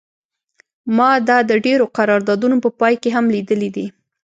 ما دا د ډیرو قراردادونو په پای کې هم لیدلی دی